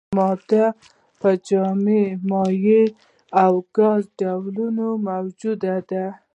ماده په جامد، مایع او ګاز ډولونو موجوده ده.